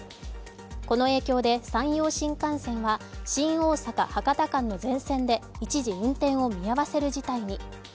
この影響で山陽新幹線は新大阪−博多間の全線で一時運転を見合わせる事態に。